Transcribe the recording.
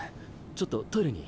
ちょっとトイレに。